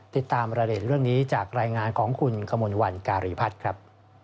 ติดตามรายละเอียดเรื่องนี้จากรายงานของคุณขมลวันการีพัฒน์ครับ